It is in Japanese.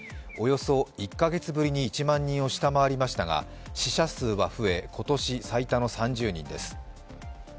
およそ１カ月ぶりに１万人を下回りましたが死者数は増え、今年最多の３０人です